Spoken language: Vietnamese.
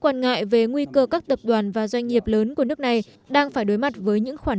quan ngại về nguy cơ các tập đoàn và doanh nghiệp lớn của nước này đang phải đối mặt với những khoản